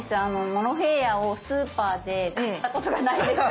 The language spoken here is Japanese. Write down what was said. モロヘイヤをスーパーで買ったことがないです。